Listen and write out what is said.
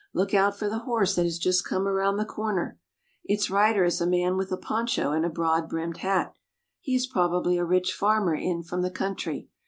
Look out for the horse that has just come around the corner. Its rider is a man with a poncho and a broad brimmed hat. He is probably a rich farmer in from the country.